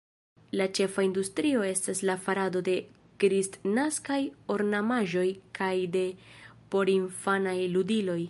La ĉefa industrio estas la farado de kristnaskaj ornamaĵoj kaj de porinfanaj ludiloj.